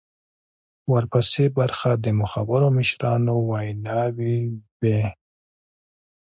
ورپسې برخه د مخورو مشرانو ویناوي وې.